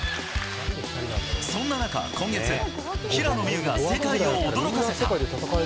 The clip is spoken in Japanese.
そんな中、今月、平野美宇が世界を驚かせた。